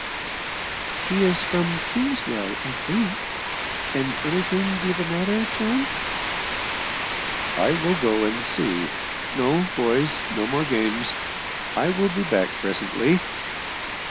"He is from Kingswell, I think. Can anything be the matter, John?" "I will go and see. No, boys, no more games I will be back presently."